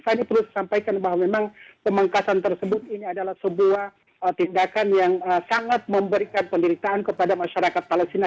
fani perlu saya sampaikan bahwa memang pemengkasan tersebut ini adalah sebuah tindakan yang sangat memberikan pendirikan kepada masyarakat palestina